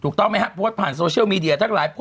ถูกต้องไหมครับโพสต์ผ่านโซเชียลมีเดียทั้งหลายคน